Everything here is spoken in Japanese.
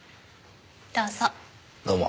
どうぞ。